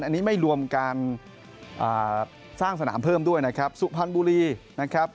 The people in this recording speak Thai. อันนี้ไม่รวมการสร้างสนามเพิ่มด้วยนะครับ